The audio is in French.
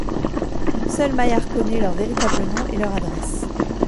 Seul Maillard connaît leur véritable nom et leur adresse.